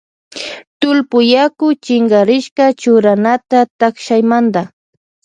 Tullpuyaku chinkarishka churanata takshaymanta.